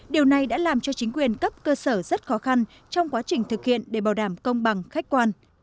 điều này đã làm cho chính quyền cấp cơ sở rất khó khăn trong quá trình thực hiện để bảo đảm công bằng khách quan